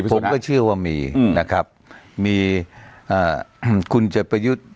ผมก็เชื่อว่ามีนะครับมีคุณเจ็บประยุทธ์